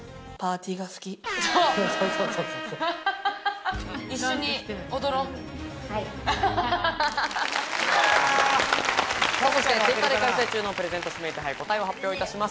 Ｔｗｉｔｔｅｒで開催中のプレゼント指名手配、答えを発表いたします。